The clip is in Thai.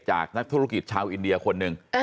นักธุรกิจชาวอินเดียคนหนึ่ง